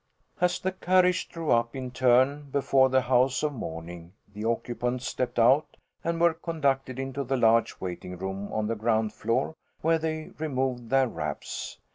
As the carriages drew up in turn before the house of mourning, the occupants stepped out and were conducted into the large waiting room on the ground floor where they removed their wraps.